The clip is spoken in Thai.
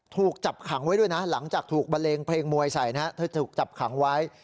ถูกจับขังไว้ด้วยนะหลังจากถูกบันเลงเพลงมวยใส่นะเธอถูกจับขังไว้